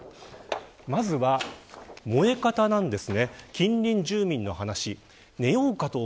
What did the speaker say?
まずは燃え方です。